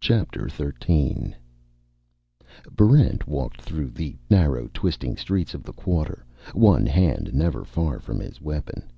Chapter Thirteen Barrent walked through the narrow, twisting streets of the Quarter, one hand never far from his weapon.